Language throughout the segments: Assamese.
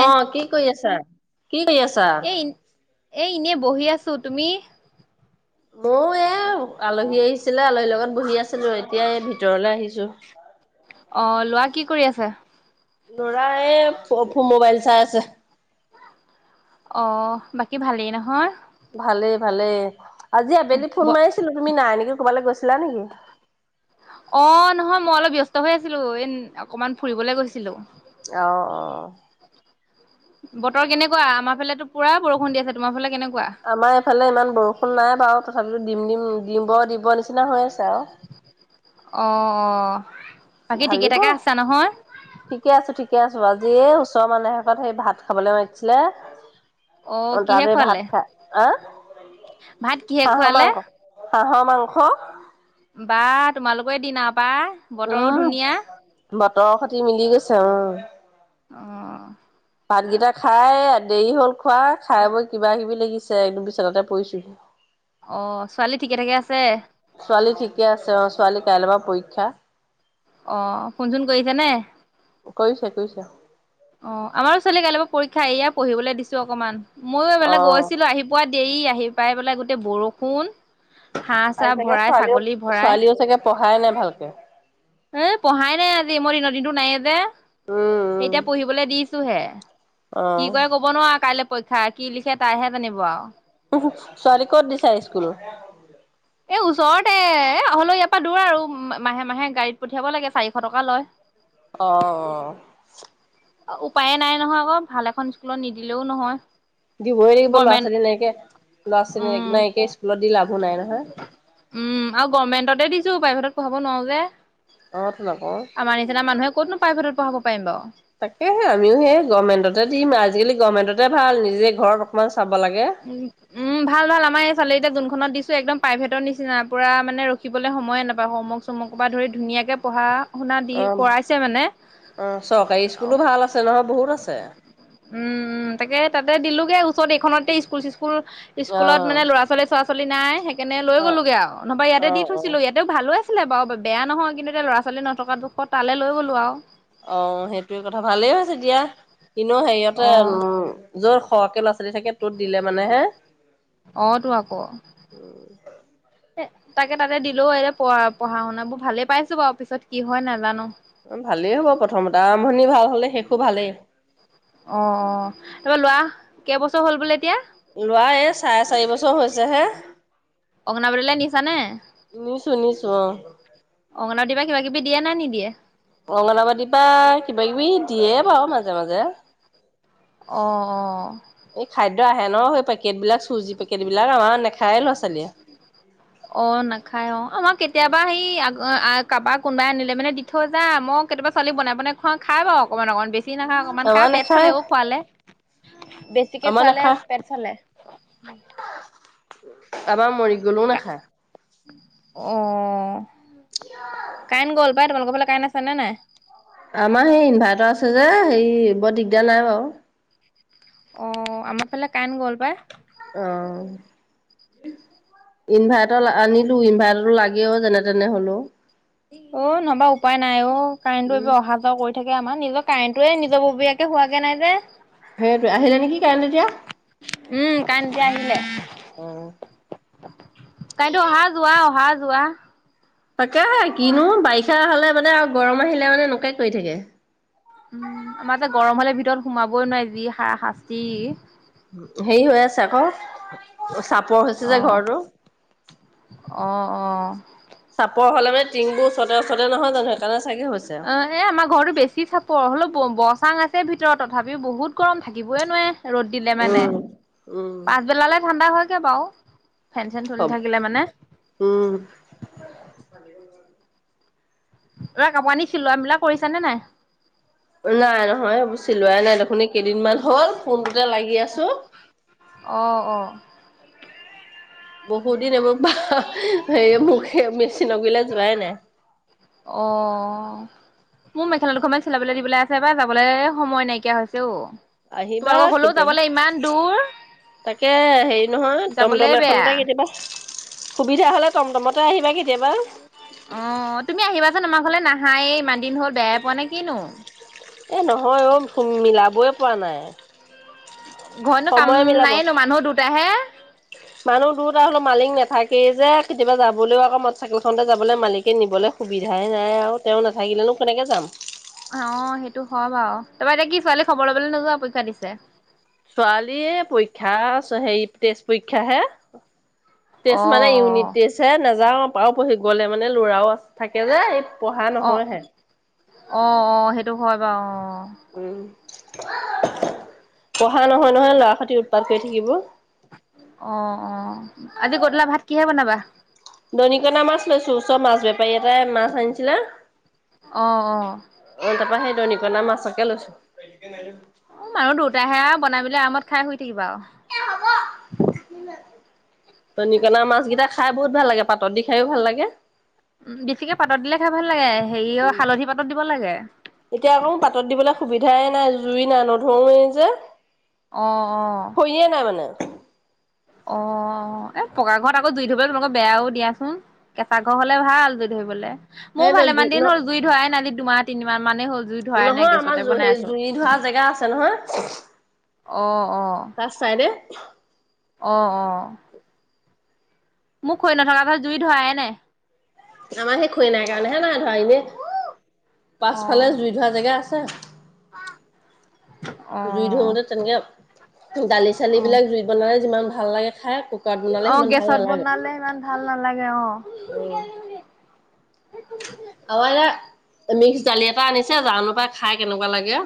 অ', কি কৰি আছা, কি কৰি আছা? । এ এনেই বহি আছো, তুমি? । ময়ো এয়া, আলহী আহিছিলে আলহীৰ লগত বহি আছিলো এতিয়া এই ভিতৰলে আহিছো। অ লোৱা [unintelligible] ল'ৰা এই ফ-ফো-মোবাইল চাই আছে। অ', বাকী ভালেই নহয়। ভালেই-ভালেই। আজি আবেলি ফোন মাৰিছিলো, তুমি নাই নেকি কৰবালে গৈছি ছিলা নেকি। অ', নহয় মই অলপ ব্যস্ত হৈ আছিলো, এই অকমান ফুৰিবলৈ গৈছিলো। অ', অ। বতৰ কেনেকুৱা, আমাৰ ফালেতো পূৰা বৰষুণ দি আছে তোমাৰ ফালে কেনেকুৱা? । আমাৰ এইফালে ইমান বৰষুণ নাই বাৰু তথ তথাপিতো দিম-দিম, দিব-দিব নিচিনা হৈ আছে আৰু। অ', অ। বাকী ঠিকে ধালিব। থাকে আছা নহয় ঠিকে আছো, ঠিকে আছো আজিয়ে ওচৰৰ মানহ এ ঘৰত সেই ভাত খাবলে মাতিছিলে। অ', কিহে তাতে ভাত খোৱালে খাই, আ, ভাত কিহে হাঁহ খোৱালে মাংস। হাঁহৰ মাংস। বা তোমালোকৰে দিন আ পা, বতৰো উম, ধুনীয়া। বতৰৰ সতি মিলি গৈছে অ। অ। ভাতকেইটা খাই দেৰি হল খোৱা, খাই বৈ কিবা কিবি লাগিছে একদম বিচনাতে পৰিছোহি। অ', ছোৱালী ঠিকে ঠাকে আছে? । ছোৱালি কাইলৰ পৰা পৰীক্ষা। অ ফোন চোন কৰিছে নে? কৰিছে কৰিছে। অ আমাৰো ছোৱালী কাইলৈ পৰা পৰীক্ষা এয়াই পঢ়িবলৈ দিছো অকমান। ময়ো এইফালে অ', গৈছিলো আহি পোৱা দেৰি আহিম পাই পেলাই গোটেই বৰষুণ। হাঁহ আৰু চাহ চাগে ভৰাই ছোৱালীও ছাগলী ভৰাই ছোৱালীও চাগে পঢ়াই নাই ভালকে। এ পঢ়াই নাই আজি মোৰ দিনৰ দিনটো নাই যে। উম, এতিয়া পঢ়িবলে দিছ চো হে কি উম, কৰে কব নোৱাৰ কাইলে। পৰীক্ষা কি লিখে তাইহে জানিব আৰু। হু হু ছোৱালী ক'ত দিছা স্কুল? এ ওচৰতে এ হ'লেও ইয়াৰ পৰা দূৰ আৰু মাহে মাহে গাড়ীত পঠিয়াব লাগে চাৰিশ টকা লয়। অ হ উপায়ে নাই নহয় আকৌ ভাল এখন স্কুলত নিদিলেও নহয় দিবইে লাগিব ল'ৰা গভমেন্ট ছোৱালী নাইকে ল'ৰা উম ছোৱালী নাইকে স্কুলত দি লাভো নাই হা উম আৰু গভমেণ্টতে দিছো প্ৰাইভেটত পঢ়াব নোৱাৰো যে অ তোন অক আমাৰ নিচিনা মানুহে কতনো প্ৰাইভেটত পঢ়াব পাৰিম বাও তাকেহে আমিও সেই গভৰ্মেণ্টতে দিম আজিকালি গভমেণ্টতে ভাল নিজে ঘৰ অকমান চাব লাগে। উম উম ভাল ভাল আমাৰ এই ছোৱালীকিটাক যোনখনত দিছো একদম প্ৰাইভেটৰ নিচিনা পূৰা মানে ৰখিবলৈ সময়ে নাপায় হোমৱৰ্ক চমৰ্কৰ পৰা ধৰি ধুনীয়াকৈ পঢ়া শুনা দি অ ভা কৰাইছে মানে অ চৰকাৰী স্কুলো উম ভাল আছে নহয় বহুত আছে। উম তাকে তাতে দিলো ওচৰত এইখনতে স্কুল চিচ স্কুল অ স্কুলত মানে ল'ৰা ছোৱালী চোৱা চি- চলি নাই কেনে লৈ অ গলোগে আও নহবা অ ইয়াতে দি অ থৈছিলো ইয়াতেও ভালো আছে আছিলে বাৰু বেয়া নহয় কিন্তু এতিয়া ল'ৰা ছোৱালী নথকা দুখত তালে লৈ গ'লো আও অহ সেইটোয়ে কথা ভালেই হৈছে দিয়া। ইনো হেৰিয়তে অ', যচ সৰকে ল'ৰা ছো- ৱালি থাকে তোত দিলে মানে হে অ', তো আকৌ। উ তাকে তাতে দিলোও এ প পঢ়া শুনা বোৰ ভালেই পাইছো বাৰু পিছত কি হয় নাজানো অ ভালেই হ'ব প্ৰথমতে আৰম্ভণি ভাল হ'লে শেষো ভালেই অ অ তাৰপৰা লোৱা কেইবছৰ হ'ল বোলে এতিয়া ও ল'ৰা এই চাৰে চাৰি বছৰ হৈছে হে অংগনা বাদিলে নিচা নে নিছো নিছো অ অংগনা দিবা কিবা কিবি দিয়ে নে নিদিয়ে অংগনবাদী বা কিবা কিবি দিয়ে বাৰু মাজে মাজে অঁ অঁ এই খাদ্য আহে ন সেই পেকট বিলাক চুজি পেকেট বি- অ নাখায় অ আমাৰ কেতিয়াবা সি আগ অ কাৰোবাৰ কোনোবাই নিলে মানে দি থৈ যাই মই কেতিয়াবা ছোৱালী বনাই বনাই খুৱাওঁ খাই বাৰু অকণমান অকণমান বেছি নাখায় অকণমান আমাৰ খাই পেট নাখায় চলেও খোৱালে বেছিকে আমাৰ খুৱালে নাখায় পেট চালে আমাৰ মৰিগ অ কাইন গল্প তোমালোকৰ ফালে কাৰণে আছে নে নাই আমাৰ সেই ইনভাৰ্টাৰ আছে যে সেই বৰ দিগদাৰ নাই বাৰু অ আমাৰ ফালে কাৰেণ গ'ল পাই অ ইনভাৰ্টাৰ আনিলো ইনভাৰ্টাৰটো লাগেও যেনে তেনে হলেও অ নবা উপায় নাই অ কাৰেণ্টো উম, এইবাৰ অহা যোৱা কৰি থাকে আমাৰ নিজৰ কাৰেণ্টোয়ে নিজৰ ববীয়াকে হোৱাগে নাই যে সেই আহিলে নেকি কাৰেণ্টো এতিয়া উম কাৰেণ্টো এতিয়া আহিলে অ' কাৰেণ্টো অহা যোৱা অহা যোৱা যোৱা তাকে কিনো বাৰিষা হলে মানে আৰু গৰম আহিলে মানে এনেকুৱাই কৰি থাকে উম আমাৰ যে গৰম হলে ভিতৰত সোমাবই নোৱৰি যি সাৰা শাস্তি হেৰি হৈ আছে আকৌ চাপৰ হৈছে যে অ' ঘৰটো অ' অ' চাপৰ হ'লে মানে টিংবোৰ ওচৰতে ওচৰতে নহয় জানো সেইকাৰণে চাগে হৈছে আৰু। অ এ আমাৰ ঘৰতো বেছি চাপৰ হলেও বচাং আছে ভিতৰত তথাপিও বহুত গৰম থাকিবই নোৱাৰে ৰ'দ দিলে মানে উম, উম, পাছবেলালে ঠাণ্ডা হয় [unintelligible] ফেন চেন চুলি হ'ব থাকিলে মানে উম। ৰ কাপোৰ আনি খিলোৱা বিলাক কৰিছ নে নাই নাই নহয় বুচি লোৱাই নাই দেখোন কেইদিনমান হল ফোনটোতে লাগি আছো অ' অ' বহুত দ মে মেচিন গ নাই নাই অ'। মোৰ মেখেলা দুখনমান চিলাবলৈ দিবলৈ আছে এবাৰ যাবলৈয়ে সময় নাইকিয়া হৈছে অ'। আহিবা তোমালোকৰ ঘৰলৈও কেতিয়াবা। যাবলৈ ইমান দূৰ তাকে হেৰি নহয় যাবলে টমটম বেয়া এখনতে কেতিয়াবা সুবিধা হ'লে টমটমত তে আহিবা কেতিয়াবা। অ', তুমি আহিবাচোন আমাৰ ঘৰলৈ নাহায়ে ইমান দিন হ'ল বেয়াই পোৱা নে কি নো? এ নহয় অ' মিলাবই পৰা নাই। ঘৰতনো কাম সময়ে মিলাব। নাইয়ে নঃ মানুহ দু চেহে মানুহ দুটা হ'লেও মালিক নাথাকেই যে কেতিয়াবা যাবলৈও আকৌ মটৰ চাইকেলখনতে যাবলৈ মালিকে নিবলৈ সুবিধাই নাই আৰু তেওঁ নাথাকিলেনো কেনেকে যাম। তাৰ পৰা এতিয়া কি ছোৱালী খবৰ ল'বলৈ নোযোৱা পৰীক্ষা দিছে। ছোৱালীয়ে পৰী ক্ষা আৰু হেৰি টেষ্ট পৰীক্ষা হে । অ টেষ্ট মানে ইউনিট টেষ্ট হে, নাযাও। বাৰু পঢ়ি গ'লে মানে ল'ৰাও থাকে যে পঢ়া অ', নহয়হে। অ' অ' সেইটো হয় বাৰু অ', অ'। [unintelligible] উম, পঢ়া নহয় নহয়, ল'ৰা সৈতে উৎপাত কৰি থাকিব। অ', অ', আজি গধুলা ভাত কিহে বনাবা? দৰিকণা মাছ লৈছো, ওচৰৰ মাছ বেপাৰী এটাই মাছ আনিছিলে। অ', অ'। অ', তাৰপৰা সেই দৰিকণা মাছকে লৈছো। উম মানুহ দুটাহে আৰু বনাই মেলি আৰামত খাই শুই থাকিবা আৰু। দৰিকণা মাছ কেইটা খাই বহুত ভাল লাগে পাতত দি খাইও ভাল লাগে। বেছিকে পাতত দিলে খাই ভাল লাগে হেৰি অ' উম। হালধি পাতত দিব লাগে। এতিয়া আকৌ পাতত দিবলৈ সুবিধাই নাই জুই নাই নধৰোয়েই যে। অ', অ'। খৰিয়ে নাই মানে। অ' অ' এহ পকা ঘৰত আকৌ জুই ধৰিবলৈ তোমালোকৰ বেয়াও দিয়াচোন, কেঁচা ঘৰ হ'লে ভাল জুই ধৰিবলৈ। মোৰ সেইটোৱে জুই ভালেমান দিন ন হ'ল জুই ধৰাই নাই আজি দুমাহ তিনি মাহ মানে হ'ল জুই ধৰাই নাই নহয় গেছতে আমাৰ বনাই সেই আছো জুই ধৰা জেগা আছে নহয়। অ' অ পাছ চাইডে। অ', অ' । মোৰ খৰি নথকাৰ পৰা জুই ধৰাই নাই। আমাৰ সেই খৰি নাই কাৰণেহে নাই ধৰা, এনে অ পাছফালে জুই ধৰা জেগা আছে। অ জুই ধৰোতে তেনেকে দালি অ চালিবিলাক জুইত বনালে যিমান ভাল লাগে সাপ অ গেছত বনালে ইমান ভাল নালাগে অ ৰি অ এনে মিক্স দালি এটা আনিছে জানো পাই খাই কেনেকুৱা লাগে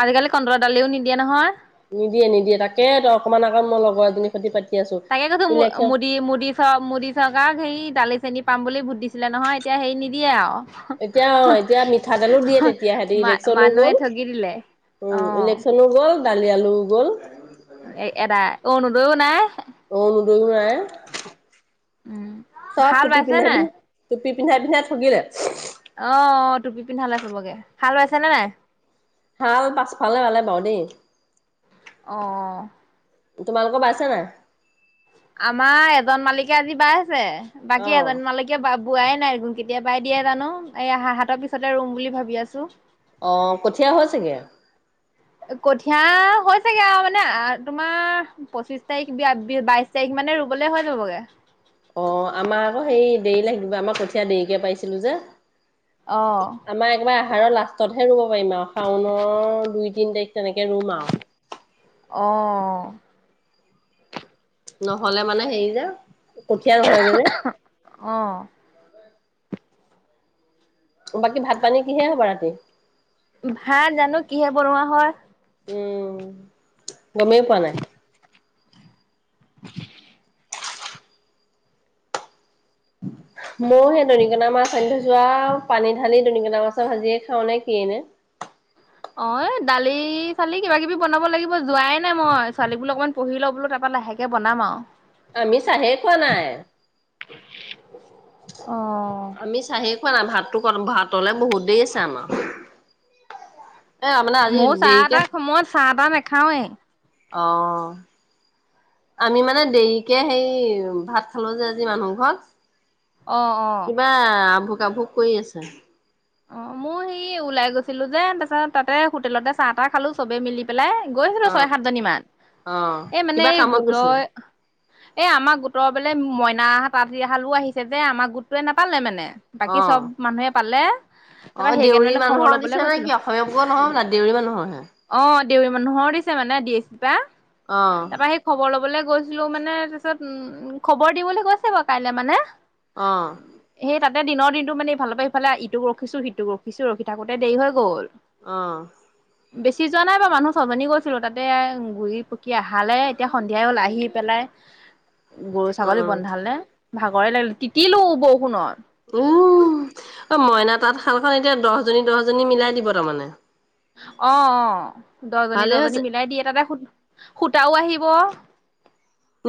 আজিকালি কন্দল দালিও নিদিয়ে নহয় নিদিয়ে নিদিয়ে তাকেই অকমান আকৌ মই লগৰ এজনী খ্ষতি পাতি আছো তাকে কৈছো মু ইলেকচন মুদি মুদিি চ মুদিি চ সেই দালি চেনিী পাম বুলি ভোট দিছিলে নহয় এতিয়া হেৰি নিদিয়ে আৰু এতিয়া অ এতিয়া মিঠাতেলো দিয়ে তেতিয়া হেতেতি মা ইলেকশচনো মানুহে গ'ল, ঠগি দিলে। উ অ' ইলেকশচনো গ'ল। দালি আলু গ'ল। ও নাই। অৰুণোদই ও নাই। উম, চফ হাল টুপি বাইছে পিনা ন নাই? [inaudible] পি পিন্ধাই পিন্ধাই ঠগিলে [unintelligible] অ টুপি পিন্ধালে চবকে। হাল বাইছেনে নাই? হাল পাছ ফালে বালে বাও দেই। অ। তোমালোকৰ বাইছে নাই? আমাৰ এজন মালিকে আজি বাই [unintelligible] বাকী অ', এজন মালকে বাব বোৱাই নাই, কেতিয়া বাই দিয়ে জানো। এই হা হাতৰ পিছতে ৰুম বুলি ভাবি আছো। অ কঠীয়া হৈছেগে? কঠিয় হৈছোগে আও, মানে তোমাৰ পঁচিশ তাৰিখ বি বাইশ তাৰিখ মানে ৰুবলে হৈ যাবগে। অ আমাৰ আকৌ হেই দেৰি লাগিব আমাৰ কঠীয়া দেৰিকে পাইছিলো যে। অ'। হাৰৰ লাষ্টতহে ৰুব পাৰিম আও। শাওনৰ দুই তিন তাৰিখ তেনেকে ৰুম আও। অহ নহলে মানে হেৰি যে। কঠীয়া নহয়গে যে। অ' বাকী ভাত পানী কিহে হব ৰাতি? ভাত জানো কিহে বনোৱা হয়? উম। গমেই পোৱা নাই? [unintelligible] মই সেই দৰিকনা মাছ আনি থৈছো আও, পানী ঢালি দৰিকনা মাছৰ ভাজিয়ে খাও নে কি এই নে? অ এ দালি চালি কিবা কিবি বনাব লাগিব, যোৱাই নাই মই ছোৱালী বো অকনমান পঢ়ি ল বোলো তাৰপা লাহেকে বনাম আও। আমি চাহেই খোৱা নাই। [unintelligible] [inaudible] অঁ আমি চাহেই খোৱা নাই ভাতটো ক ভাতলে বহুত দেই আছে আমাৰ এ মানে আজি মোৰ চাহ দেৰিকে টা সময়ত চাহ তা নে খাৱেই অ আমি মানে দেৰিকে সেই ভাত খালো যে আজি মানুহ অ ঘৰত অ কিবা আ আভোগ কৰি আছে অ মই সি ওলাই গৈছিলো যে তাৰপাছত তাতে হোটেলতে চাহ তাহ খালো চবে মিলি পেলাই গৈছিলো অ ছয় সাতজনী মান। অ এ মানে কিবা এই কামত গৈছে গোটৰ এ আমাৰ গোটৰ বোলে মইনা তাঁতি হালো আহিছে যে, আমাৰ গোটোৱে নাপালে মানে । অ বাকী চব মানুহে পালে। অ তাৰপৰা সেইকাৰণে দেউৰী মানে খবৰ মানুহৰ ল'বলৈ দিছে নে গৈছিলো কি অসমীয়া বোৰৰ নহয় মানে দেউৰী মানুহৰহে অ দেউৰী মানুহৰ দিছে মানে ডি এছ চি পৰা অ তাৰপৰা সেই খবৰ লবলৈ গৈছিলো মানে অহ সেই তাতে দিনৰ দিনটো মানে ইফালৰ পৰা ইফালে ইটো ৰখিছো সিটো ৰখিছো ৰখি থাকোঁতে দেৰি হৈ গ'ল অঁ বেছি যোৱা নাই বাৰু মানুহ ছজনী গৈছিলো তাতে ঘূৰি পকি আহালে এতিয়া সন্ধিয়াই ওলাই আহি পেলাই গৰু অ ছাগলী বন্ধাল নে ভাগৰে লাগিলে তিতিলো বৰষুণত উম অ মইনা তাত শালখন এতিয়া দহজনী দহজনী মিলাই দিব তাৰমানে অঁ অঁ দহজনী ভালেই দহজনী হৈছে মিলাই দিয়ে তাতে সুধ সূতাও আহিব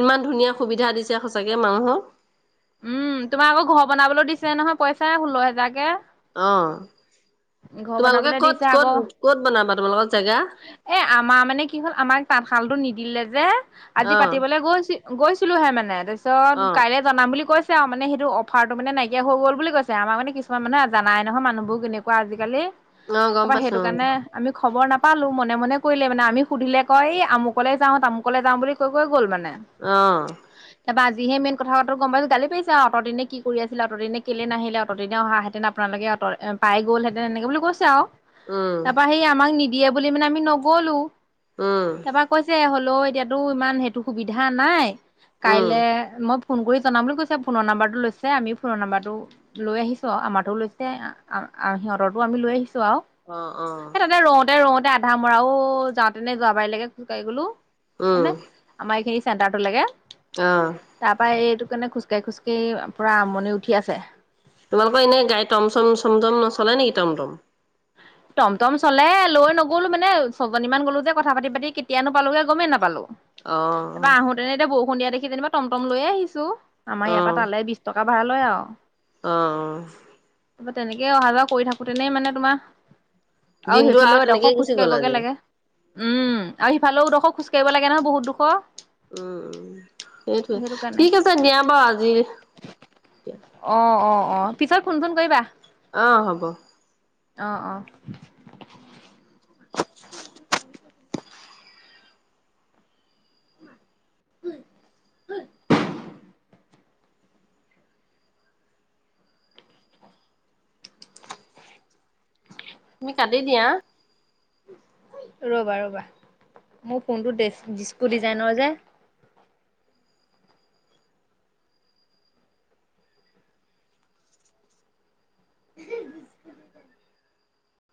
ইমান ধুনীয়া সুবিধা দিছে সঁচাকে মানুহক উম তোমাৰ আকৌ ঘৰ বনাবলৈ দিছে নহয় পইচা ষোল্ল হেজাৰকে অ ঘৰ তোমালোকে বনাবলে ক'ত দিছে ক'ত আকৌ ক'ত বনাবা তোমালোকৰ জেগা এ আমাৰ মানে কি হ'ল আমাক তাঁতশালতটো নিদ দিলে যে আজি অ পাতিবলৈ গৈছিল গৈছিলো হে মানে পিছত অ কাইলৈ জনাম বুলি কৈছে আৰু মানে সেইটো অফাৰটো মানে নাইকিয় হৈ গল বুলি কৈছে আমাৰ মানে কিছুমান মানে জানাই নহয় মানুহবোৰ কেনেকুৱা আজিকালি অ গম পাইছোঁ খব [unintelligible] অ অ তাপা যিহে মন কথাাৰ গম গালি পাইছে অ'ৰ দিনে কি কৰি আছিলে অট দিনে কেলে নাহিলে অটদিনে অহােতেন আপোনালোকে অট পাই গলহেতেন এনেকে বুলি কৈছে আৰু উম তাৰপা সেই আমাক নি দিয়ে বুলি মানে আমি নগলো উম তাৰপৰা কৈছে হ'লে ল এতিয়াতো ইমান সেইটো সুবিধা নাই উম কাইলে মই ফোন কৰি জনাম বুলি কৈছে ফোনৰ নম্বাৰটো লৈছে আমি ফোনৰ নম্বাৰটো লৈ আহিছো আমাৰো লৈছে সিহঁতৰো আমি লৈ আহিছো সেই অ অ তাতে ৰওঁতে ৰওঁতে ধামৰাও যাওঁতেনে যোৱাবাৰ লাগে খোজকাঢ়ি গলো উম হয়ানে আমাৰ এইখিনি চেণ্টাৰটোলৈকে অ তাৰপৰা নে খু খোাই খোজকাঢ়ি পুৰা আমনি উঠি আছে তোমালোকৰ এনেই গাই টম চম চম চম নচলে নেকি টম টম টমটম চলে লৈ নগলো মানে ছজনীমান গলো যে কথা পাতি পাতি কেতিয়াানো পালোোগে গমেই নাপালো অ তাৰপা আহোতেনে এতিয়া বহু সন্ধিয়া দেখি যেনিবা টমটম লৈে আহিছো আমাৰ ইয়াৰ পৰা তালে বিশ টকা ভাল লয় আৰু আহ অ ত তেনেকে অহা যোৱা কৰি থাকোতেনে মানে তোমাৰ দিনটো সেইফালেও আৰু এডোখৰ তেনেকেই খোজ গুচি গ'ল কাঢ়িবগে আজি লাগে উম আৰু সিফালেও ডোখৰ খোজকাঢ়িব লাগে নহয় বহুত দুোখৰ উম উম সেইটোৱে কাৰণে ঠিক আছে দিয়া বাৰু আজিয়া অ অ অ পিছত ফোন ফোন কৰিবা অ হ'ব অ অ স কাল হয় তুমি ক্দি দিয়া ৰবা ৰ'বা মোৰ ফোনটো ড যিচকু ডিজাইনৰ যে [inaudible]